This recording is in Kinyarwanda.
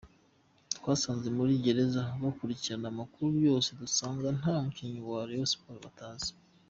Twasanze muri gereza bakurikirana amakuru yose, dusanga nta mukinnyi wa Rayon Sports batazi.